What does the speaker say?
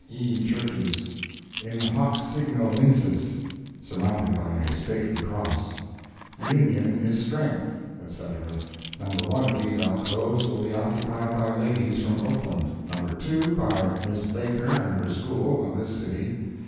E. Churches;" "In hoc signo vinces," surmounted by a stately cross; "Union is Strength," etc. No. 1 of these alcoves will be occupied by ladies from Oakland; No. 2, by Miss Baker and her School, of this city; No.